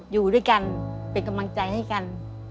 อยู่ด้วยกันเป็นกำลังใจให้กัน